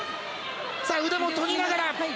腕もとりながら。